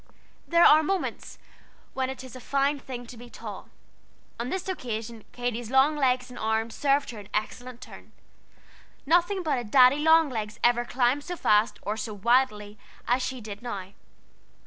There are moments when it is a fine thing to be tall. On this occasion Katy's long legs and arms served her an excellent turn. Nothing but a Daddy Long Legs ever climbed so fast or so wildly as she did now.